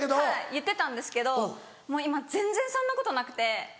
言ってたんですけどもう今全然そんなことなくて。